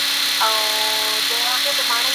زه بايد زدکړه وکړم!.